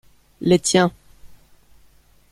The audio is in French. Les tiens.